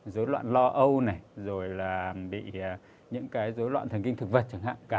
dối loạn lo âu này rồi là bị những cái dối loạn thần kinh thực vật chẳng hạn cả